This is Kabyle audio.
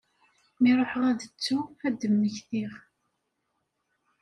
Mi ruḥeɣ ad ttuɣ ad d-mmektiɣ.